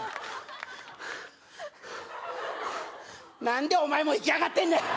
何でお前も息上がってんねん！